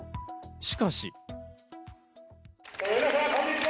しかし。